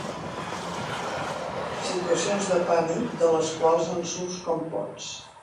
Situacions de pànic de les quals en surts com pots.